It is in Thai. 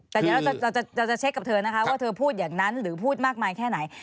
แต่เดี๋ยวเราจะเช็คกับเธอนะคะว่าเธอพูดอย่างนั้นหรือพูดมากมายแค่ไหน